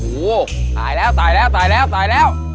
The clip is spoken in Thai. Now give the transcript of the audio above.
โอ้โหตายแล้วตายแล้วตายแล้วตายแล้ว